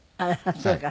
そうか。